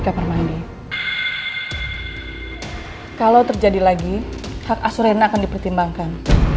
kamar mandi kalau terjadi lagi hak asur rena akan dipertimbangkan